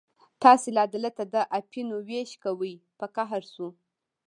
تاسې لا دلته د اپینو وېش کوئ، په قهر شو.